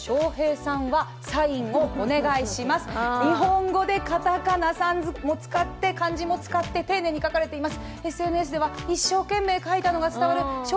日本語でカタカナも漢字も使って、丁寧に書かれています。